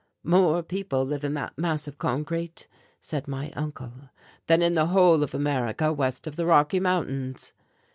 "More people live in that mass of concrete," said my uncle, "than in the whole of America west of the Rocky Mountains."